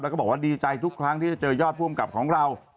แล้วก็บอกว่าดีใจทุกครั้งที่จะเจอยอดผู้อำกับของเรา